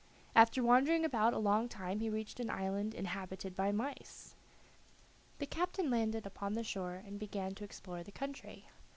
After wandering about a long time he reached an island inhabited by mice. The captain landed upon the shore and began to explore the country.